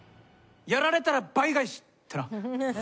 「やられたら倍返し」ってな